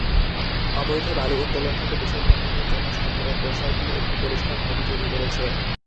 অবৈধ বালু উত্তোলন থেকে দূষণ নিয়ন্ত্রণের জন্য সরকারের কৌশলটি একটি পরিষ্কার নদী তৈরি করেছে।